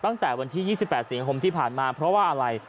ตั้งแต่วันที่๒๘สิงหาคมที่ผ่านมาเพราะว่าอะไร